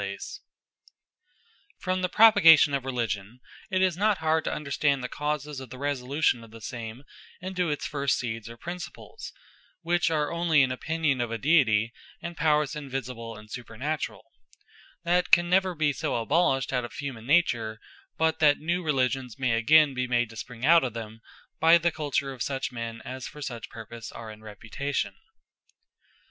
The Causes Of Change In Religion From the propagation of Religion, it is not hard to understand the causes of the resolution of the same into its first seeds, or principles; which are only an opinion of a Deity, and Powers invisible, and supernaturall; that can never be so abolished out of humane nature, but that new Religions may againe be made to spring out of them, by the culture of such men, as for such purpose are in reputation.